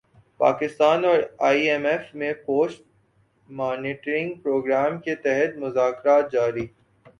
پاکستان اور I M F میں post monitoring programme کے تحت مذاکرات جاری